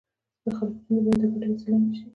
د خلکو ستونزې باید د ګټې وسیله نه شي.